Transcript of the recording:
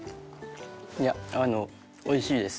いやあのおいしいです。